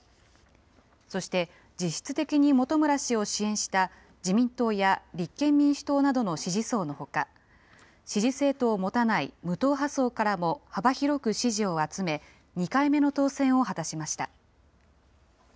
そして、実質的に本村氏を支援した自民党や立憲民主党などの支持層のほか、支持政党を持たない無党派層からも幅広く支持を集め、２回目の当選を果たしました。